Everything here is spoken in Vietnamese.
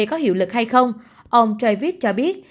có hiệu lực hay không ông travis cho biết